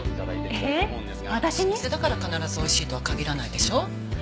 「老舗だから必ずおいしいとは限らないでしょ？」